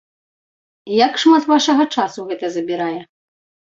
Як шмат вашага часу гэта забірае?